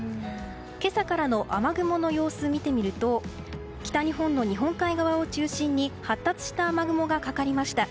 今朝からの雨雲の様子を見てみると北日本の日本海側を中心に発達した雨雲がかかりました。